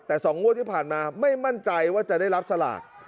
แต่๒งวดที่ผ่านมาไม่มั่นใจว่าจะได้รับสลาก